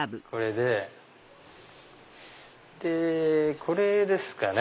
でこれですかね。